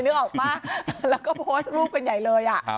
นึกออกป่ะแล้วก็โพสต์รูปกันใหญ่เลย